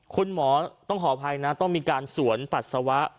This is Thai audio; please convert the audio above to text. คุณหมอต้องขออภัยนะต้องมีการสวนปัสสาวะ